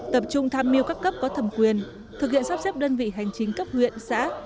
tập trung tham mưu các cấp có thẩm quyền thực hiện sắp xếp đơn vị hành chính cấp huyện xã